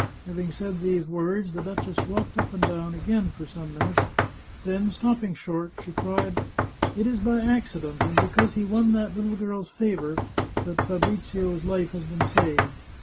" Having said these words, the duchess walked up and down again for some minutes, then, stopping suddenly short, she cried :" It is by accident, and because he won that little girl's favour, that Fabrizio's life has been saved.